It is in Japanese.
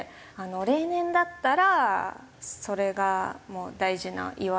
例年だったらそれがもう大事な祝い事。